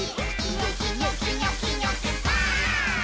「ニョキニョキニョキニョキバーン！」